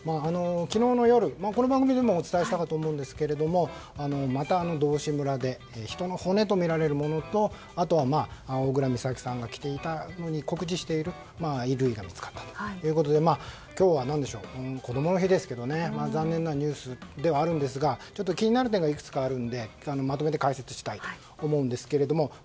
昨日の夜、この番組でもお伝えしたかと思いますがまた道志村で人の骨とみられるものとあとは小倉美咲さんが着ていたのに酷似している衣類が見つかったということで今日は、こどもの日ですけど残念なニュースではあるんですが気になる点がいくつかあるのでまとめて解説したいと思います。